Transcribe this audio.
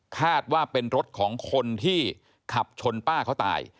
คาดว่าเป็นรถของคนที่ขับชนป้าเขาตาย